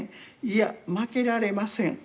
いや負けられません。